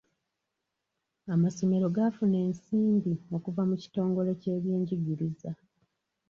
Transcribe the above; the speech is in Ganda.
Amasomero gaafuna ensimbi okuva mu kitongole kyebyenjigiriza.